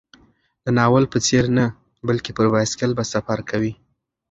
د ناول په څېر نه، بلکې پر بایسکل به سفر کوي.